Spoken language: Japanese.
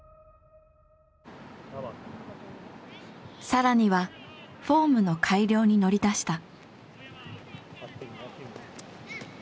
更にはフォームの改良に乗り出した。